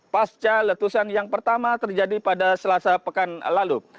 pasca letusan yang pertama terjadi pada selasa pekan lalu